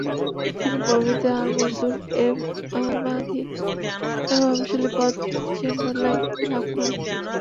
তিনি পরবর্তীতে আল-মনসূর এব আল-মাহদী এর প্রভাবশালী পদ চেম্বারলাইন লাভ করেন।